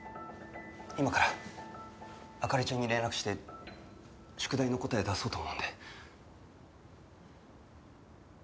今から灯ちゃんに連絡して宿題の答え出そうと思うんで。